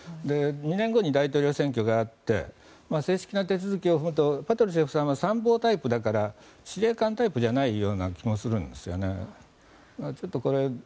２年後に大統領選挙があって正式な手続きを踏むとパトルシェフさんは参謀タイプだから司令官タイプじゃない気もするんですね。